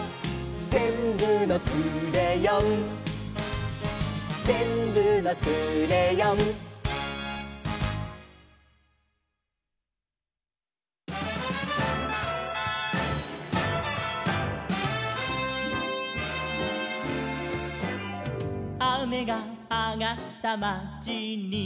「ぜんぶのクレヨン」「ぜんぶのクレヨン」「あめがあがったまちに」